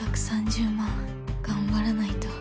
１３０ 万頑張らないと。